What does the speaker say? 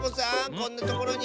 こんなところに！